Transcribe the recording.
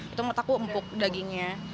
itu menurut aku empuk dagingnya